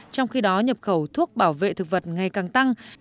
trong khi đó nhập khẩu thuốc bảo vệ thực vật ngày càng tăng